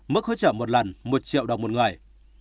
mức hỗ trợ một lần một triệu đồng một người